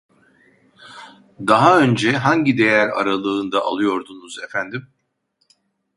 Daha önce hangi değer aralığında alıyordunuz efendim ?